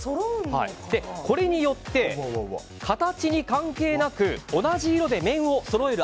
これによって形に関係なく同じ色で面をそろえる